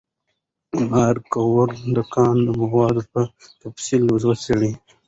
ماري کوري د کان مواد په تفصیل وڅېړل.